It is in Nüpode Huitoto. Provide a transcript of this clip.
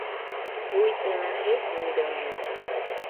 Uisɨna jejɨronide